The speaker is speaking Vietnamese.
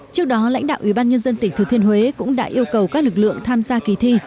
trước đó lãnh đạo ủy ban nhân dân tỉnh thừa thiên huế cũng đã yêu cầu các lực lượng tham gia kỳ thi